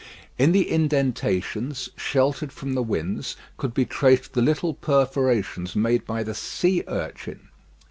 In the indentations, sheltered from the winds, could be traced the little perforations made by the sea urchin.